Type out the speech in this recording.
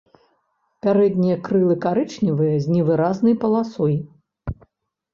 Пярэднія крылы карычневыя з невыразнай паласой.